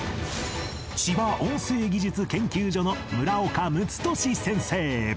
千葉音声技術研究所の村岡睦稔先生